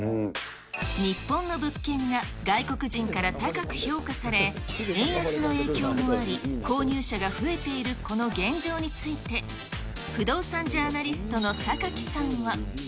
日本の物件が外国人から高く評価され、円安の影響もあり、購入者が増えているこの現状について、不動産ジャーナリストの榊さんは。